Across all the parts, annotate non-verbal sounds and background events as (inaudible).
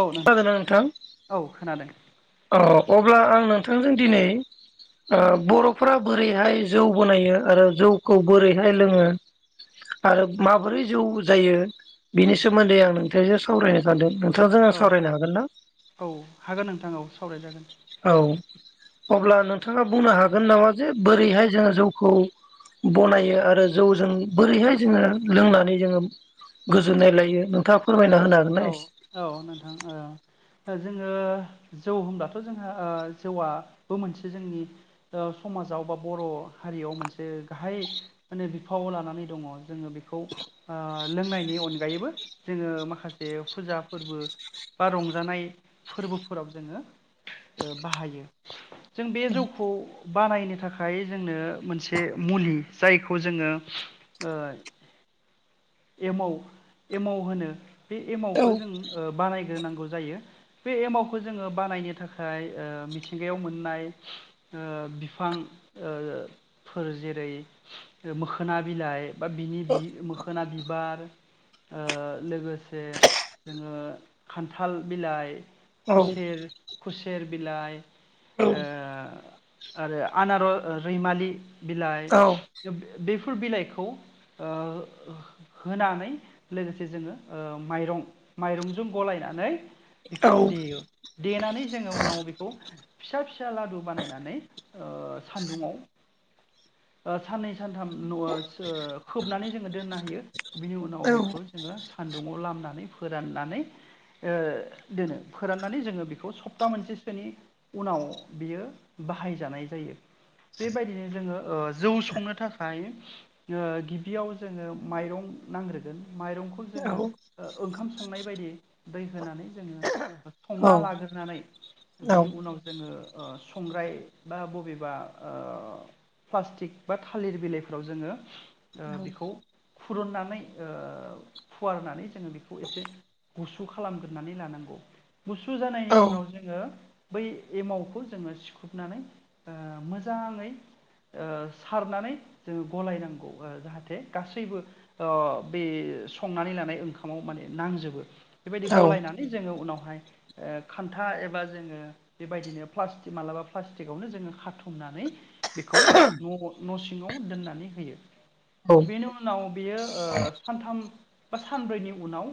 औ नों खोनादोंना नोंथां औ खोनादों अ अब्ला आं नोंथांजों दिनै ओ बर'फोरा बोरैहाय जौ बनायो आरो जौखौ बोरैहाय लोङो आरो माबोरै जौ जायो बिनि सोमोन्दै आं नोंथांजों सावरायनो सानदों। नोंथांजों आं औ सावरायनो हागोन ना औ हागोन नोंथां औ। सावराय जागोन। औ अब्ला नोंथाङा बुंनो हागोन नामा जे बोरैहाय जों जौ खौ बनायो आरो जौजों बोरैहाय जोङो लोंनानै जोङो गोजोननाय लायो नोंथां औ औ नोंथां ओ ओ जोङो जौ होनब्लाथ जोंहा ओ जौआबो मोनसे जोंनि ओ समाजाव बा बर हारियाव मोनसे गाहाय माने बिफावाव लानानै दङ जोङो बेखौ ओ लोंनायनि अनगायैबो जोङो माखासे ए फुजा फोरबो बा रंजानाय फोरबोफोराव जोङो ओ बाहायो जों बे जौखौ बानायनो थाखाय जोंनो मोनसे मुलि जायखौ जोङो ओ एमाव एमाव होनो बे औ एमावखौ जों ओ बानाय होनांगौ जायो बे एमावखौ जोङो बानायनो थाखाय ओ मिथिंगायाव मोननाय ओ बिफां ओ फोर जेरै मोखोना बिलाइ बा बिनि बि खोना बिबार ओ लोगोसे जोङो खान्थाल बिलाइ औ फुसेर खुसेर बिलाइ औ ओ आरो आनार ओ रैमालि बिलाइ औ बे फुल बिलाइखौ ओ होनानै लोगोसे जोङो ओ माइरं माइरंजों गलायनानै बेखौ देयो देनानै जोङो उनाव बेखौ फिसा फिसा लादु बानायनानै ओ सान्दुङाव ओ साननै सानथाम नया सो खोबनानै जोङो दोनना हायो बिनि उनाव औ बेखौ जोङो सान्दुङाव लामनानै फोराननानै ओ दोनो फोराननानै जोङो बेखौ सप्ता मोनसेसोनि उनाव बियो बाहायजानाय जायो। बेबायदिनो जोङो ओ जौ संनो थाखाय ओ गिबियाव जोङो माइरं नांग्रोगोन माइरंखौ जोङो ओ ओंखाम संनायबायदि दै होनानै जोङो औ थाङा लाग्रोनानै बिनि उनाव जोङो ओ संग्राय बा बबेबा ओ प्लासथिक बा थालिर बिलाइआव जोङो खौ खुरुननानै ओ फुवारनानै जोङो बेखौ एसे गुसु खालामग्रोनानै लानांगौ गुसु जानायनि औ उनाव जोङो बै एमावखौ जोङो सिख्रुबनानै ओ मोजाङै ओ सारनानै जोङो गलायनांगौ ओ जाहाथे गासैबो अ बे संनानै लानाय ओंखामाव माने नांजोबो बेबायदि औ गलायनानै जोङो उनावहाय ओ खान्था एबा जोङो बेबायदिनो प्लास्टिक मालाबा प्लास्टिकावनो जोङो खाथुमनानै बेखौ न ग न सिङाव दोननानै होयो। औ बेनो उनाव बियो ओ सानथाम बा सानब्रैनि उनाव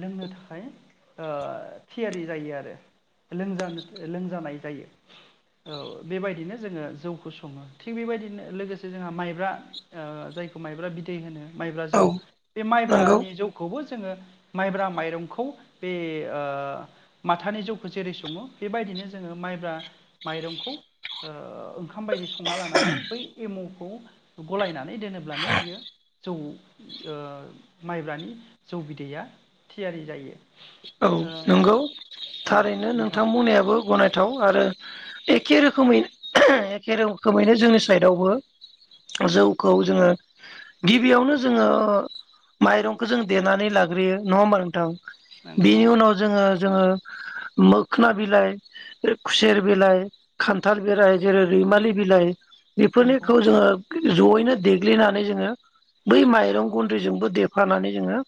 लोंनो थाखाय ओ थियारि जायो आरो लोंजानो लोंजानाय जायो औ बेबायदिनो जोङो जौखौ सङो थिख बेबायदिनो लोगोसे जोंहा माइब्रा ओ जाय माइब्रा बिदै होनो माइब्रा औ जौ बे नंगौ माइब्रानि जौखौबो जोङो माइब्रा माइरंखौ बे ओ माथानि जौखौ जेरै सङो बेबायदिनो जोङो माइब्रा माइरंखौ ओ ओंखाम बायदि संना लानानै बै एमावखौ गलायनानै दोनोब्लानो बियो जौ ओ माइब्रानि जौ बिदैया थियारि जायो। ओ नोंगौ औ थारैनो नोंथां नोंथांमोनायाबो गनाय थाव आरो एखे रोखोमै एखे रोखोमैनो जोंनि साइदावबो जौखौ जोङो गिबियावनो जोङो माइरंखौ जों देनानै लाग्रोयो नङा होमबा नोंथां। नंगौ बिनि उनाव ओ जोङो मोखोना बिलाइ खुसेर बिलाइ खान्थाल बिलाइ जेरै रैमालि बिलाइ नंगौ बेफोरनिखौ जोङो जयैनो देग्लिनानै जोङो बै माइरं गुन्दैजोंबो देफानानै जोङो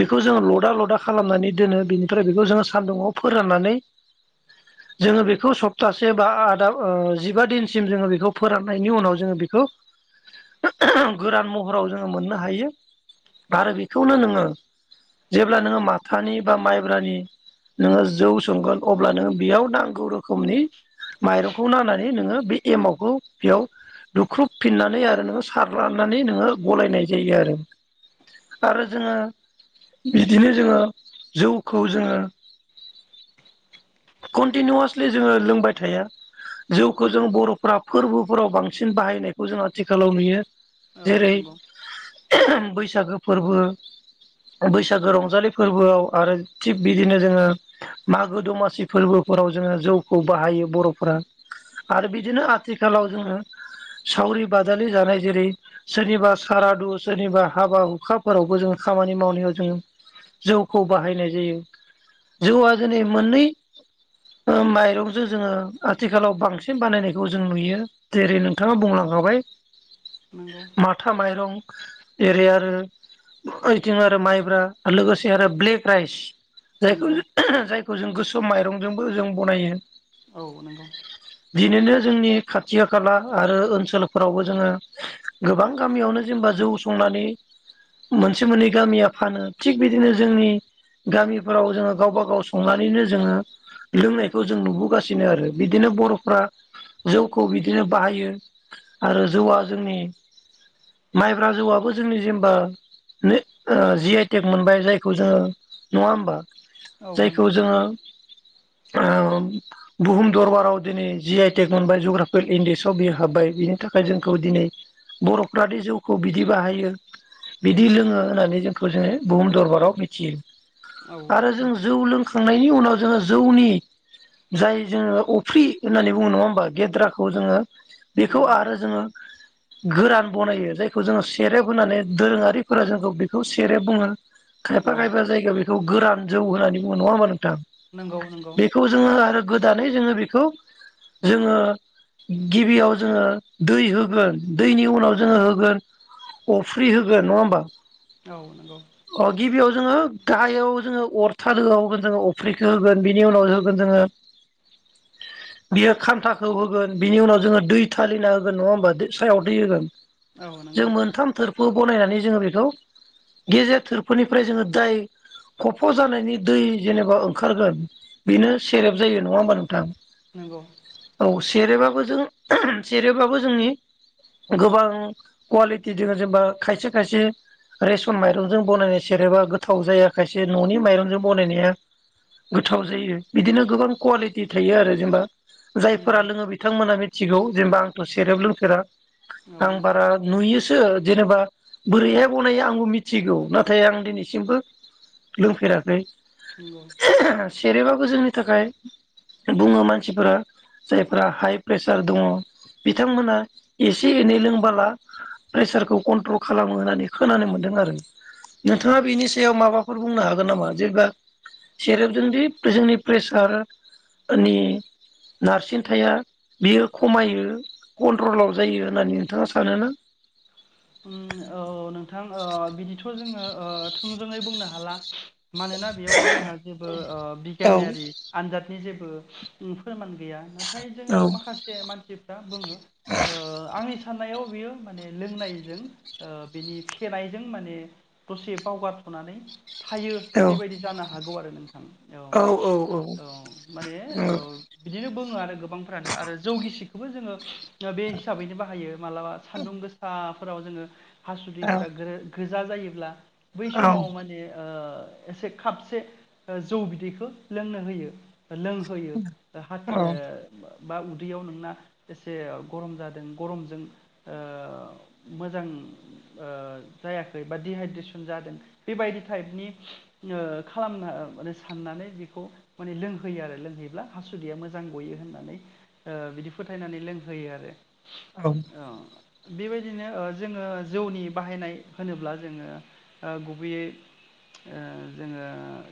बेखौ जोङो लदा लदा खालामनानै दोनो बेनि थारै बेखौ जोङो सान्दुुङाव फोराननानै जोङो बेखौ सप्तासे बा आदा ओ जिबा दिनसिम जोङो बेखौ फोराननायनि उनाव जोङो बेखौ गोरान महराव जोङो मोननो हायो आरो बेखौनो नोङो जेब्ला नोङो माथानि बा माइ बोरानि नोङो जौ संगोन अब्ला नोङो बेयाव नांगौ रोखोमनि माइरंखौ नानानै नोङो बे एमावखौ बेयाव दुख्रुबफिननानै आरो नोङो सारलानानै नोङो गलायनाय जायो आरो आरो जोङो बिदिनो जोङो जौ खौ जोङो कन्टिनिउवासलि जोङो लोंबाय थाया जौखौ जों बरफ्रा फोरबोफोराव बांसिन बाहायनायखौ जों आथिखालाव नुयो। औ जेरै नंगौ बैसागो फोरबो बैसागो रंजालि फोरबोआव आरो थिग बिदिनो जोङो मागो दमासि फोरबोफोराव जोङो जौखौ बाहायो बर'फोरा आरो बिदिनो आथिखालाव जोङो सावरि बादालि जानाय जेरै सोरनिबा सारादु सोरनिबा हाबा हुखाफोरावबो जोङो खामानि मावनायाव जोङो जौखौ बाहायनाय जायो जौआ जोनै मोननै ओ माइरंजों जोङो आथिखालाव बांसिन बानायनायखौ जों नुयो जेरै नोंथाङा बुंलांखाबाय नंगौ माथा माइरं जेरै आरो ओइथिं आरो माइब्रा लोगोसे आरो औ ब्लेक राइस नंगौ जायखौ (unintelligible) माइरंजोंबो जों बनायो। औ नंगौ बिनोनो जोंनि खाथि खाला आरो ओनसोलफोरावबो जोङो गोबां गामियावनो जेनेबा जौ संनानै मोनसे मोननै गामिया फानो थिग बिदिनो जोंनि गामिफोराव जोङो गावबा गाव संनानैनो जोङो लोंनायखौ जों नुबोगासिनो आरो बिदिनो बर'फ्रा जौखौ बिदिनो बाहायो आरो जौआ जोंनि माइब्रा जौआबो जोंनि जेनेबा जि आइ टेक मोनबाय जायखौ जोङो नङा होमबा। औ जायखौ नंगौ जोङो ओ बुहुम दरबाराव दिनै जि आइ टेक मोनबाय जग्राफिकेल इन्डेक्सआव बियो हाब्बाय बिनि थाखाय जोंखौ दिनै बर'फ्रादि जौखौ बिदि बाहायो बिदि लोङो होननानै जोंखौ बुहुम दरबाराव मिथियो। औ आरो जों जौ लोंखां (unintelligible) उनाव जोङो जौनि जाय जोङो अफ्रि होननानै बुङो नङा होमबा गेद्राखौ जोङो बेखौ नंगौ आरो जोङो गोरान बनायो जायखौ जोङो सेरेब होनानै दोरोङारिफोरा जोंखौ बेखौ सेरेब बुङो खायफा औ खायफा जायगा बे (unintelligible) गोरान जौ होननानै बुङो नङा ओमबा नोंथां नंगौ नंगौ बेखौ जोङो आरो दानै जोङो बेखौ जोङो गिबियाव जोङो दै होगोन दैनि उनाव जोङो होगोन अफ्रि होगोन नङा होमबा औ नंगौ अ गिबियाव जोङो गाहायाव जोङो अरथालोआव होगोन जों अफ्रै (unintelligible) होगोन बिनि उनाव होगोन जोङो बियो खान्थाखौ होगोन बिनि उनाव जोङो दै थालिना होगोन नङा होमबा सायाव दै होगोन औ नंगौ जों मोनथाम थोर (unintelligible) बनायनानै जोङो बेखौ गेजेर थोरफोनिफ्राय जोङो दाय खफ' जानायनि दै जेनेबा ओंखारगोन बेनो सेरेब जायो नङा होमबा नोंथां नंगौ औ सेरेबाबो जों सेरेबाबो जोंनि गोबां कुवालिटि दङ जेनबा खायसे खायसे रेसन माइरंजों बनायनाय सेरेबा गोथाव जाया खायसे न'नि माइरंजों बनायनाया गोथाव जायो बिदिनो गोबां कुवालिटि थायो आरो जेनबा औ जायफोरा लोङो बिथांमोना (unintelligible) जेनबा आंथ' सेरेब लोंफेरा आं नंगौ बारा नुयो (unintelligible) जेनेबा बोरैहाय बनायो आंबो मिथिगौ नाथाय आं दिनैसिमबो लोंफेराखै (unintelligible) (unintelligible) जोंनि थाखाय बुङो मानसिफोरा जायफ्रा हाइ प्रेसार दङ बिथांमोनहा एसे एनै लोंबोला प्रेसारखौ कन्ट्रल खालामो होननानै खोनानो मोन्दों आरो औ नोंथाङा बिनि सायाव माबा बेफोर बुंनो हागोन नामा जेबा सेरे पजोंदि जोंनि प्रेसारनि नारसिन था बियो खमायो कन्ट्रलाव जायो होननानै नोंथाङा सानोना उम औ ओ नोंथां बिदिथ' ओ जोङो थोंजोङै बुंनो हाला मानोना बेयाव जोंहा जेबो ओ औ बिगियानारि आनजादनि जेबो बो ओ फोरमान गौया नाथाय जों औ माखासे मानसिफोरा बुङो ओ आंनि साननायाव बियो माने लोंनाय जों ओ बिनि फेनायजों माने दसे बावगारथ'नानै थायो औ बेबायदि जानो हागौ आरो नोंथां औ औ माने औ बिदिनो बुङो आरो गोबांफ्रानो आरो जौगिसि खौबो जोङो बे हिसाबैनो बाहायो मालाबा सान्दुं गोसा फोराव जोङो औ हासुदैफोरा गो गो जा जायोब्ला बै समाव माने ओ एसे खापसे ओ जौ बिदैखौ लोंनो होयो। लोंहोयो हा (unintelligible) बा उदैयाव नोंना एसे गरम जादों गरमजों ओ मोजां ओ जायाखै बा दि हाइद्रेसन जादों। बेबायदि टाइपनि ओ खालामना माने साननानै बेखौ माने लोंहोयो आरो लोंहैयोब्ला हासुदैया मोजां गयो होननानै ओ बिदि फोथायनानै लोंहोयो आरो औ। बेबाय दिनो ओ जोङो जौनि बाहायनाय होनोब्ला जोङो ओ गुबैयै जोङो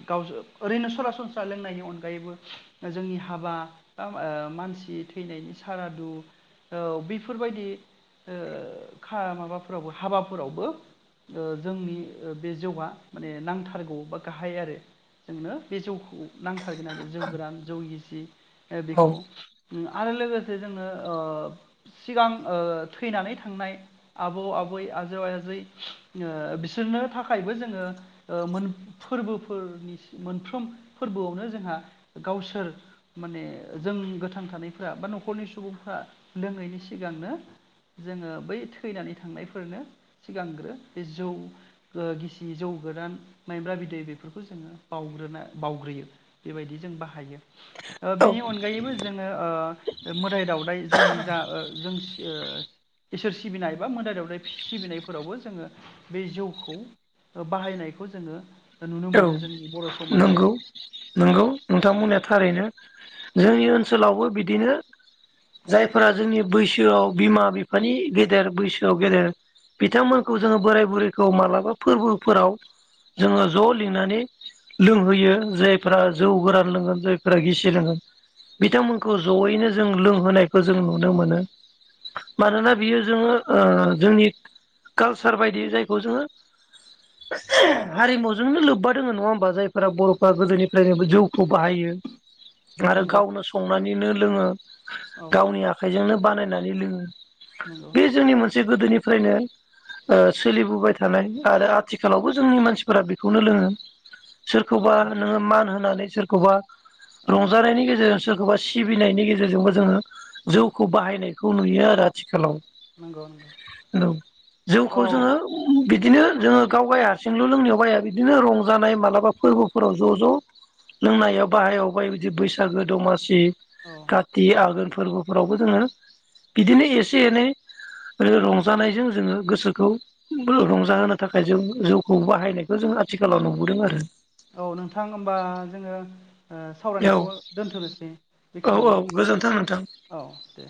गाव ओरैनो सरासनस्रा लोंनायनि अनगायैबो जोंनि हाबा (unintelligible) मानसि थैनायनि सारादु औ बेफोरबायदि ओ खा माबाफोरावबो हाबाफोरावबो ओ जोंनि बे जौआ माने नांथारगौ बा गाहाय आरो जोंनो बे जौ खौ नांथारगोन आरो जौ गोरान जौ गि सि ओ बेखौ औ उम आरो लोगोसे जोङो ओ सिगां ओ थैनानै थांनाय आबौ आबै आजौ आजै ओ बिसोरनो थाखायबो जोङो ओ मोन फोरबोफोरनि सि मोनफ्रोम फोरबोआवनो जोंहा गावसोर माने जों गोथां थानायफ्रा बा न'खरनि सुबुंफ्रा लोङैनि सिगांनो जोङो बै थैनानै थांनायफोरनो सिगांग्रो बे जौ ओ गिसि जौ गोरान माइब्रा बिदै बेफोरखौ जोङो बावग्रोना बावग्रोयो। बेबायदि जों बाहायो। ओ औ बेनि अनगायैबो जोङो ओ मोदाय दावउदाय जोंनि जा ओ जों ओ इसोर सिबिनाय एबा मोदाय दावदाय फि सिबिनायफोरावबो जोङो बे ओ जौखौ बाहायनायखौ जोङो नुनो औ मोनो जोंनि बर' समाजाव नंगौ औ नंगौ नोंथां बुंनाया थारैनो। जोंनि ओनसोलावबो बिदिनो जायफोरा जोंनि बैसोआव बिमा बिफानि गेदेर बैसोआव गेदेर बिथांमोनखौ जोङो बोराय बुरैखौ मालाबा फोरबोफोराव जोङो ज' लिंनानै लोंहोयो जायफोरा जौ गोरान लोंगोन जायफोरा गिसि लोंगोन बिथांमोनखौ ज'यैनो जों लोंहोनायखौ जों नुनो मोनो। मानोना बियो जोङो ओ जोंनि कालसार बायदि जायखौ जोङो हारिमु जोंनो लोब्बा दोङो नङा होमबा जायफोरा बर'फ्रा गोदोनिफ्रायनो जौखौ बाहायो। आरो नंगौ गावनो संनानैनो जोंङो औ गावनि आखाइजोंनो बानायना नै लोङो। नंगौ बे जोंनि मोनसे गोदोनि फ्रायनो सोलिबोबाय ओ थानाय आरो आथिखालावबो जोंनि मानसिफोरा बे खौनो लोंङो। सोरखौबा औ नोङो मान होनानै सोरखौबा औ रंजानायनि गेजेरजों सोरखौबा सिबिनायनि गेजेरजोंबो जोङो जौखौ बाहायनायखौ नुयो आरो आथिखालाव। नंगौ नंगौ औ जौखौ औ जोङो बिदिनो जोङो गावगाय हारसिंल' लोंनायाव बाया बि बिदिनो रंजानाय मालाबा फोरबोफोराव ज ज लोंनायाव बाहायाव बाय बिदि बैसागो दमासि। औ काथि आगोन। फोरबोफोरावबो जोंङो बिदिनो एसे एनै रंजानायजों जोङो गोसोखौ रंजाहोनो थाखाय जों जौखौ बाहायनाय। खौ जों आथिखालाव नुबोदों आरो। औ नोंथां होमबा जोंङो। औ सावरायनायखौ दोनथनोसै औ औ बेखिनियावनो गोजोन्थों नोंथां। औ दे।